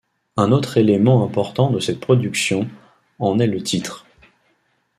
Un autre élément important de cette production en est le titre.